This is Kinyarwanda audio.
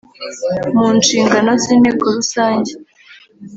mu nshingano z Inteko Rusange